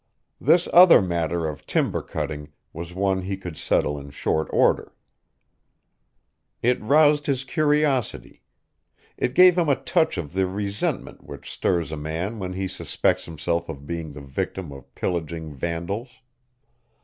This other matter of timber cutting was one he could settle in short order. It roused his curiosity. It gave him a touch of the resentment which stirs a man when he suspects himself of being the victim of pillaging vandals.